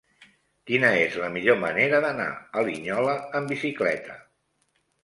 Quina és la millor manera d'anar a Linyola amb bicicleta?